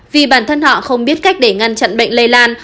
vì bản thân họ không biết cách để ngăn chặn bệnh lây lan